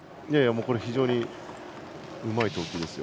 非常にうまい投球ですよ。